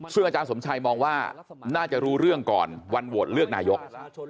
ซึ่งอาจารย์สมชัยมองว่าน่าจะรู้เรื่องก่อนวันโหวตเลือกนายก